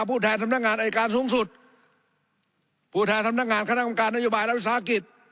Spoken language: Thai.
ผู้แทนสำนักงานอายการสูงสุดผู้แทนสำนักงานคณะกรรมการนโยบายและวิสาหกิจ